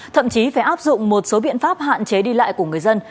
thậm chí phải áp dụng một số biện pháp hạn chế đi lại của người dân